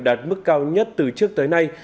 đạt mức cao nhất từ trước tới nay